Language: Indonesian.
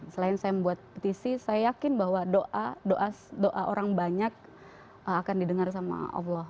selain saya membuat petisi saya yakin bahwa doa doa orang banyak akan didengar sama allah